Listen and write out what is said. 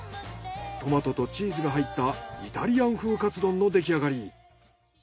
トマトとチーズが入ったイタリアン風カツ丼の出来上がり。